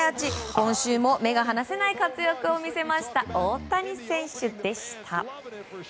今週も目が離せない活躍を見せました、大谷選手でした。